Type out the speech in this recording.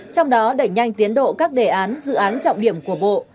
trong đó đẩy nhanh tiến độ các đề án dự án trọng điểm của bộ